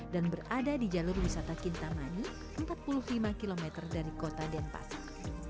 dan berada di jalur wisata kintamani empat puluh lima kilometer dari kota denpasar